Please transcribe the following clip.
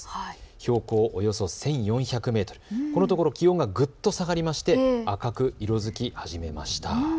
標高１５００メートル、このところ気温がぐっと下がりまして赤く色づきました。